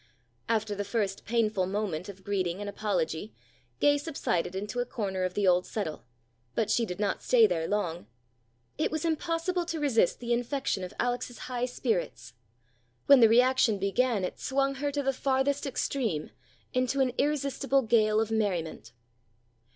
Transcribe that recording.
After the first painful moment of greeting and apology, Gay subsided into a corner of the old settle, but she did not stay there long. It was impossible to resist the infection of Alex's high spirits. When the reaction began it swung her to the farthest extreme, into an irresistible gale of merriment.